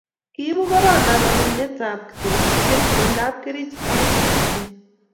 kiibu korona rorunotetab kitokusiek eng' kapkerich ak oksijen